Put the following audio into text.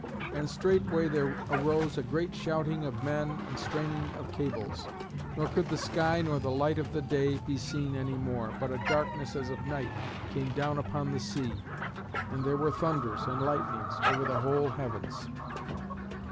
And straightway there arose a great shouting of men and straining of cables; nor could the sky nor the light of the day be seen any more, but a darkness as of night came down upon the sea, and there were thunders and lightnings over the whole heavens.